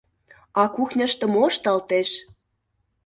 — А кухньышто мо ышталтеш?